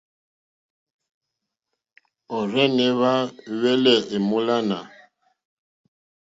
Òrzìɲɛ́ hwá hwɛ́lɛ̀ èmólánà.